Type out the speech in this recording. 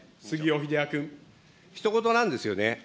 ひと事なんですよね。